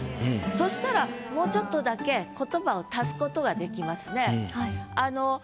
そしたらもうちょっとだけ言葉を足すことができますね。